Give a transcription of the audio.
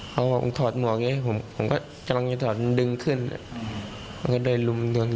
เค้าบอกก็ส่วนดื่มขึ้น